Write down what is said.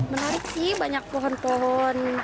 menarik sih banyak pohon pohon